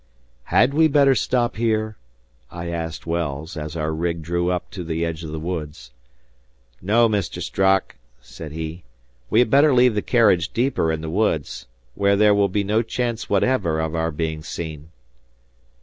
"Had we better stop here?" I asked Wells, as our rig drew up to the edge of the woods. "No, Mr. Strock," said he. "We had better leave the carriage deeper in the woods, where there will be no chance whatever of our being seen."